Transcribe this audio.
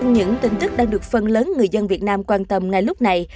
những tin tức đang được phần lớn người dân việt nam quan tâm ngay lúc này